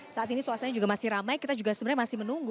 saat ini suasananya juga masih ramai kita juga sebenarnya masih menunggu